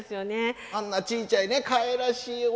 あんなちいちゃいねかわいらしい